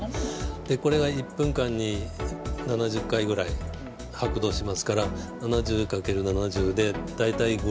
これが１分間に７０回ぐらい拍動しますから７０×７０で大体５Ｌ出ます。